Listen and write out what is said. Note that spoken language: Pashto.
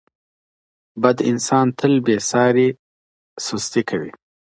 بد انسان تل بې ساري سستي کوي